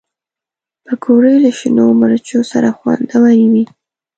پکورې له شنو مرچو سره خوندورې وي